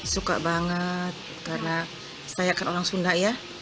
suka banget karena saya kan orang sunda ya